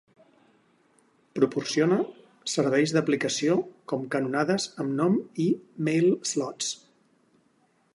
Proporciona serveis d'aplicació com canonades amb nom i MailSlots.